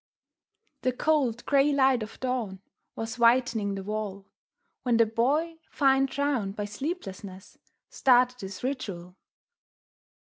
The cold, grey light of dawn was whitening the wall When the Boy, fine drawn by sleeplessness, started his ritual.